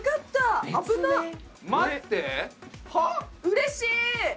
うれしい！